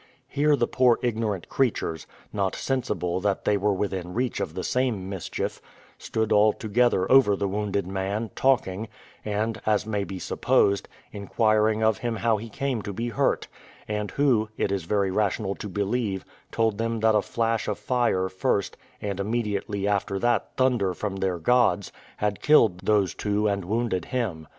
Here the poor ignorant creatures, not sensible that they were within reach of the same mischief, stood all together over the wounded man, talking, and, as may be supposed, inquiring of him how he came to be hurt; and who, it is very rational to believe, told them that a flash of fire first, and immediately after that thunder from their gods, had killed those two and wounded him.